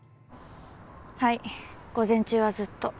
はい午前中はずっと。